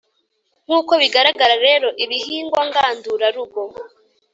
nk’uko bigaragara rero ibihingwa ngandurarugo